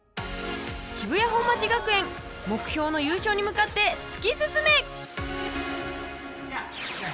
渋谷本町学園目標の優勝に向かってつき進め！